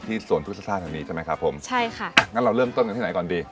ที่ส่วนพืชธรรมชาติแบบนี้ใช่ไหมครับผมใช่ค่ะงั้นเราเริ่มต้นกันที่ไหนก่อนดี